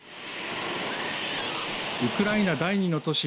ウクライナ第２の都市